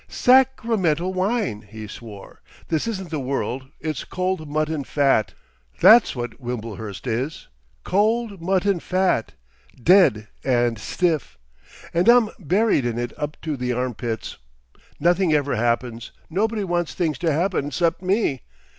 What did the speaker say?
"Sac ramental wine!" he swore, "this isn't the world—it's Cold Mutton Fat! That's what Wimblehurst is! Cold Mutton Fat!—dead and stiff! And I'm buried in it up to the arm pits. Nothing ever happens, nobody wants things to happen 'scept me!